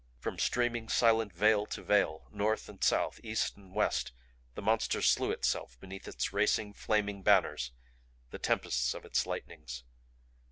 From streaming silent veil to veil north and south, east and west the Monster slew itself beneath its racing, flaming banners, the tempests of its lightnings.